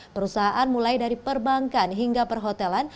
perusahaan mulai dari perbankan hingga perhotelan